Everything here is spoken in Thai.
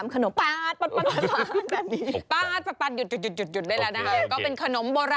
ก็เป็นขนมบอรัน